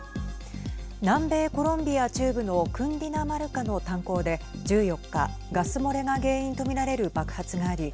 南米・コロンビア中部のクンディナマルカの炭鉱で１４日ガス漏れが原因と見られる爆発があり